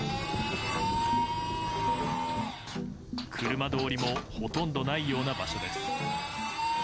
車通りも、ほとんどないような場所です。